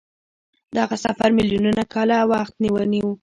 دغه سفر میلیونونه کاله وخت ونیو.